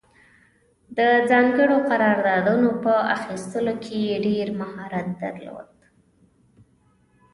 د ځانګړو قراردادونو په اخیستلو کې یې ډېر مهارت درلود.